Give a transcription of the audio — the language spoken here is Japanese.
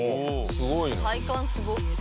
すごいな。